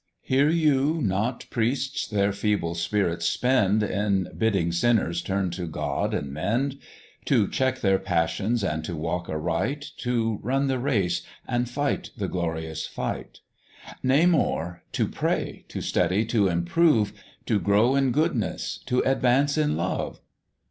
"Hear you not priests their feeble spirits spend, In bidding Sinners turn to God, and mend; To check their passions and to walk aright, To run the Race, and fight the glorious Fight? Nay more to pray, to study, to improve, To grow in goodness, to advance in love?